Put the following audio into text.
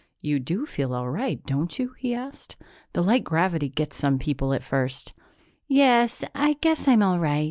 "You do feel all right, don't you?" he asked. "The light gravity gets some people at first." "Yes, I guess I'm all right.